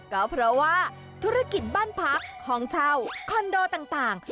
ก็เพราะว่าธุรกิจบ้านพักห้องเช่าคอนโดต่าง